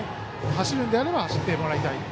走るのであれば走ってもらいたい。